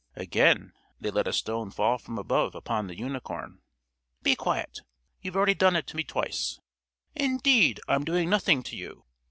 Again they let a stone fall from above upon the unicorn. "Be quiet! you've already done it to me twice." "Indeed, I'm doing nothing to you."